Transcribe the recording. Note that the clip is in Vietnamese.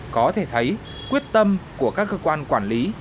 có thể thấy quyết tâm của các cơ quan quản lý